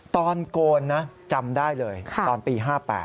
โกนนะจำได้เลยตอนปี๕๘